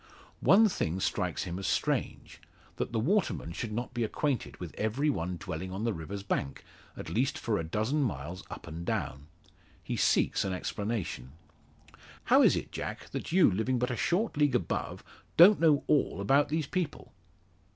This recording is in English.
One thing strikes him as strange that the waterman should not be acquainted with every one dwelling on the river's bank, at least for a dozen miles up and down. He seeks an explanation: "How is it, Jack, that you, living but a short league above, don't know all about these people?"